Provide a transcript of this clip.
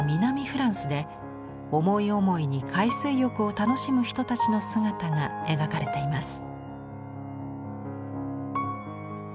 フランスで思い思いに海水浴を楽しむ人たちの姿が描かれています。